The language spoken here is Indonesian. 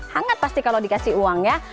hangat pasti kalau dikasih uang ya